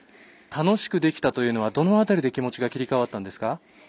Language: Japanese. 楽しくできたというのはどの辺りで気持ちが切り替わったんですか。